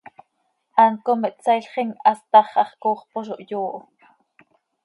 Hant com ihtsaailxim, hast hax hax cooxp oo zo hyooho.